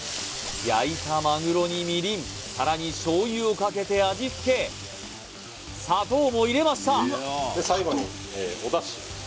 焼いたまぐろにみりんさらに醤油をかけて味付け砂糖も入れましたで最後にお出汁